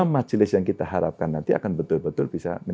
majelis yang kita harapkan nanti akan betul betul bisa